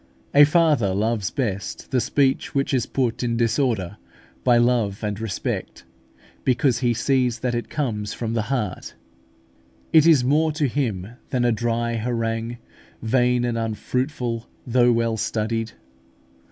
A father loves best the speech which is put in disorder by love and respect, because he sees that it comes from the heart: it is more to him than a dry harangue, vain and unfruitful though well studied.